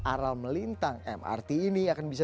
aral melintang mrt ini akan bisa